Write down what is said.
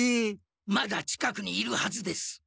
まだ近くにいるはずです。